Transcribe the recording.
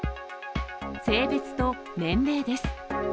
性別と年齢です。